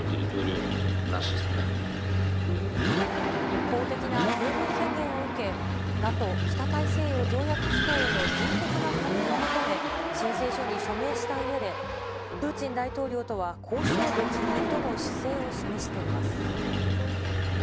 一方的な併合宣言を受け、ＮＡＴＯ・北大西洋条約機構への迅速な加盟を求め、申請書に署名したうえで、プーチン大統領とは交渉できないとの姿勢を示しています。